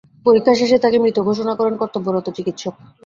পরীক্ষা শেষে তাঁকে মৃত ঘোষণা করেন কর্তব্যরত চিকিৎসক।